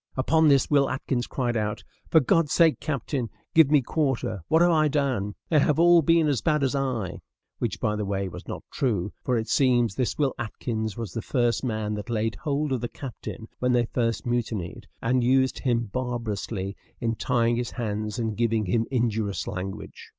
Upon this Will Atkins cried out, "For God's sake, captain, give me quarter; what have I done? They have all been as bad as I," which, by the way, was not true, for it seems this Will Atkins was the first man that laid hold of the captain when they first mutinied, and used him barbarously in tying his hands and giving him injurious language.